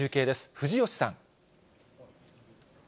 藤吉さん。